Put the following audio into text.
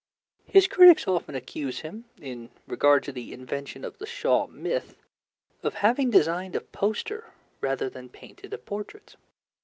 His critics often accuse him, in regard to the invention of the Shaw myth, of having designed a poster rather than painted a portrait.